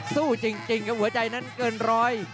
สู้จริงครับหัวใจนั้นเกินร้อย